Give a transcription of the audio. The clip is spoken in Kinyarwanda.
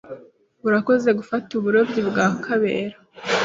Urakoze gufata uburobyi bwa Kabera.